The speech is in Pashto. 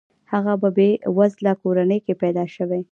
هغه په بې وزله کورنۍ کې پیدا شوی.